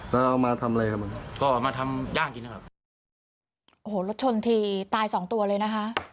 แล้วเอามาทำอะไรครับมันก็มาทำย่างกินนะครับโอ้โหรถชนทีตายสองตัวเลยนะคะ